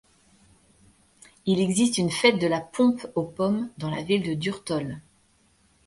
Il existe une fête de la pompe aux pommes dans la ville de Durtol.